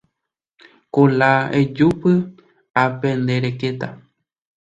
Kola ejúpy, ápe nde rekéta